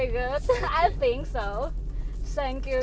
คุณพร้อมไหม